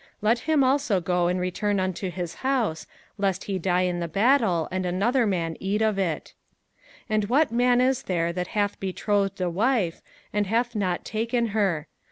let him also go and return unto his house, lest he die in the battle, and another man eat of it. 05:020:007 And what man is there that hath betrothed a wife, and hath not taken her?